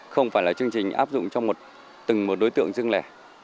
không phải là chương trình áp dụng cho từng một đối tượng dưng lẻ